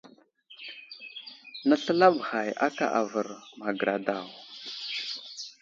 Nəsləlaɓ ghay aka avər magəra daw.